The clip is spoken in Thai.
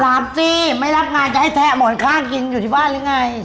สิไม่รับงานจะให้แทะหมอนข้างกินอยู่ที่บ้านหรือไง